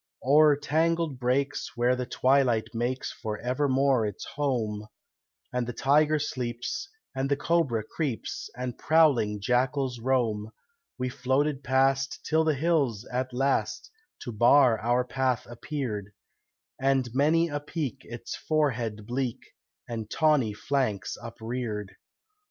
O'er tangled brakes where the twilight makes For evermore its home, And the tiger sleeps and the cobra creeps, And prowling jackals roam, We floated fast, till the hills, at last, To bar our path appeared, And many a peak its forehead bleak And tawny flanks upreared.